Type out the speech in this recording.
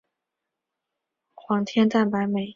胱天蛋白酶是一类半胱氨酸蛋白酶的统称。